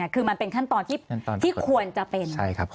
คือมันเป็นขั้นตอนที่ควรจะเป็นใช่ครับคุณประจักษ์